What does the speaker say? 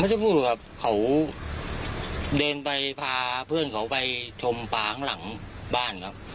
จะพูดครับเขาเดินไปพาเพื่อนเขาไปชมปลาข้างหลังบ้านครับ